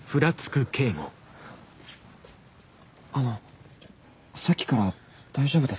あのさっきから大丈夫ですか？